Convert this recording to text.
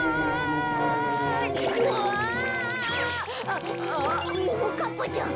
あっももかっぱちゃん